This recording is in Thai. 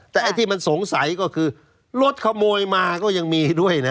แต่ไอ้ที่มันสงสัยก็คือรถขโมยมาก็ยังมีด้วยนะ